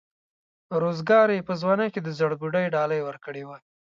روزګار یې په ځوانۍ کې د زړبودۍ ډالۍ ورکړې وه.